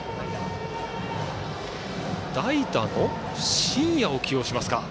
代打の新家を起用しますか。